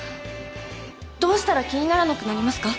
どうしたら気にならなくなりますか？